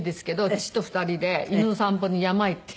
父と２人で犬の散歩に山へ行って。